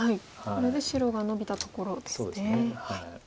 これで白がノビたところですね。